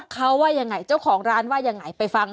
เขาว่ายังไงเจ้าของร้านว่ายังไงไปฟัง